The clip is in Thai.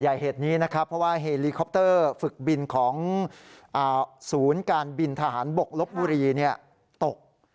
เหตุนี้นะครับเพราะว่าเฮลิคอปเตอร์ฝึกบินของศูนย์การบินทหารบกลบบุรีตก